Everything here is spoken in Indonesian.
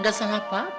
gak salah apa apa